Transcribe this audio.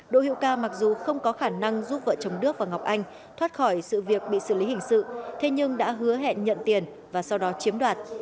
đỗ hiễu ca mặc dù không có khả năng giúp vợ chồng đức và ngọc anh thoát khỏi sự việc bị xử lý hình sự thế nhưng đã hứa hẹn nhận tiền và sau đó chiếm đoạt